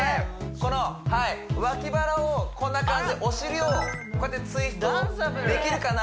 この脇腹をこんな感じでお尻をこうやってツイストダンサブルできるかな？